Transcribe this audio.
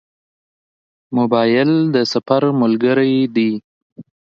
موبایل د سفر ملګری دی.